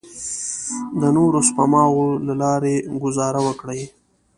د نورو سپماوو له لارې ګوزاره وکړئ.